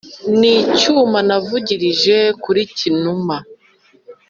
n' icyuma navugirije kuri cyinuma.